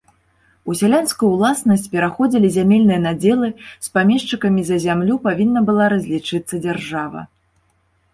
У сялянскую ўласнасць пераходзілі зямельныя надзелы, з памешчыкамі за зямлю павінна была разлічыцца дзяржава.